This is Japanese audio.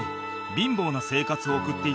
貧乏な生活を送っていた学者